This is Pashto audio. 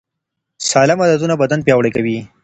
سالم عادتونه بدن پیاوړی کوي.